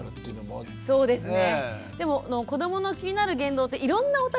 あそうですね。